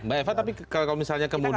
mbak eva tapi kalau misalnya kemudian